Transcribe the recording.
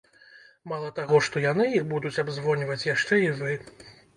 Мала таго, што яны іх будуць абзвоньваць, яшчэ і вы.